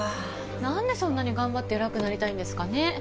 なんでそんなに頑張って偉くなりたいんですかね。